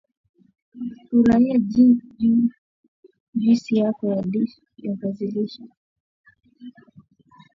furahia juisi yako ya viazi lishe